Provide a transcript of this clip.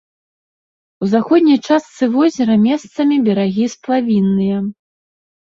У заходняй частцы возера месцамі берагі сплавінныя.